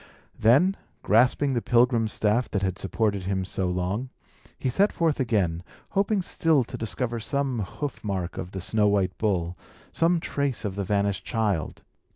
Then, grasping the pilgrim's staff that had supported him so long, he set forth again, hoping still to discover some hoof mark of the snow white bull, some trace of the vanished child.